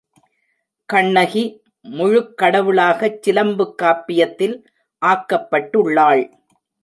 கண்ணகி முழுக் கடவுளாகச் சிலம்புக் காப்பியத்தில் ஆக்கப்பட்டுள்ளாள்.